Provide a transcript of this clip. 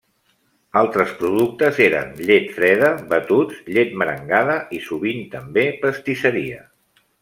Altres productes eren llet freda, batuts, llet merengada i sovint també pastisseria.